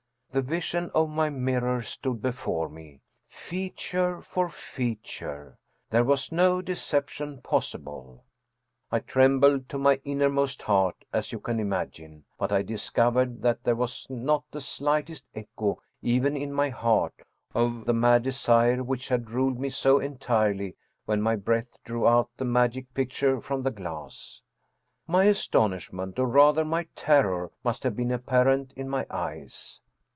The vision of my mirror stood before me, feature for feature, there was no deception possible ! I trembled to my innermost heart, as you can imagine ; but I discovered that there was not the slightest echo even, in my heart, of the mad desire which had ruled me so entirely when my breath drew out the magic picture from the glass. My astonishment, or rather my terror, must have been apparent in my eyes.